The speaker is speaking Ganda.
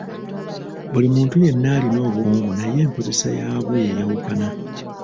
Buli muntu yenna alina obwongo naye enkozesa yabwo yeyawukana.